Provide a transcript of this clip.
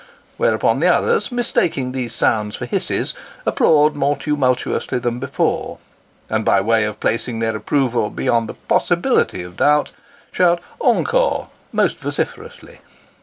whereupon the others, mis taking these sounds for hisses, applaud more tumultuously than before, and, by way of placing their approval beyond the possibility of doubt, shout " Encore !" most vociferously.